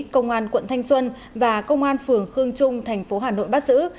công an quận thanh xuân và công an phường khương trung thành phố hà nội bắt giữ